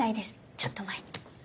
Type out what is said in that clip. ちょっと前に。